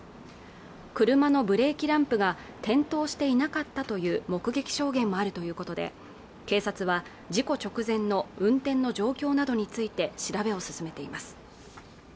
車のブレーキランプが点灯していなかったという目撃証言もあるということで警察は事故直前の運転の状況などについて調べを進めています